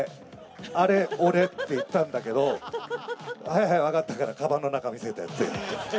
あれ俺！って言ったんだけど、はいはい、分かったから、かばんの中見せてって。